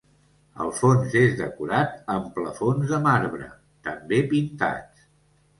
El fons és decorat amb plafons de marbre, també pintats.